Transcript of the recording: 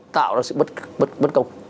tạo ra sự bất công